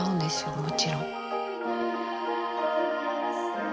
もちろん。